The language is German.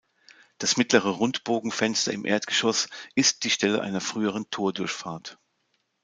Das mittlere Rundbogenfenster im Erdgeschoss ist die Stelle einer früheren Tordurchfahrt.